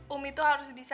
umi tuh harus bisa